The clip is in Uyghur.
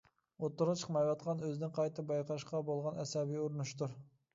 ئوتتۇرىغا چىقمايۋاتقان ئۆزىنى قايتا بايقاشقا بولغان ئەسەبىي ئۇرۇنۇشتۇر.